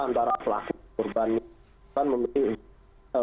antara pelaku dan korbannya